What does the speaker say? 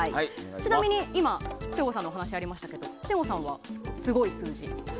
ちなみに今省吾さんのお話ありましたけど信五さんはスゴイ数字は？